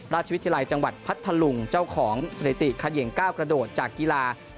ราชวิทยาลัยจังหวัดพัทธลุงเจ้าของสถิติเขย่งก้าวกระโดดจากกีฬา